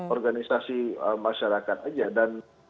organisasi masyarakat saja